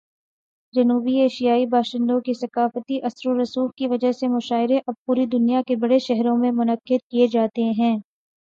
جنوبی ایشیائی باشندوں کے ثقافتی اثر و رسوخ کی وجہ سے، مشاعرے اب پوری دنیا کے بڑے شہروں میں منعقد کیے جاتے ہیں۔